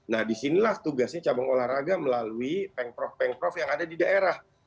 nah disinilah tugasnya cabang olahraga melalui peng prof peng prof yang ada di daerah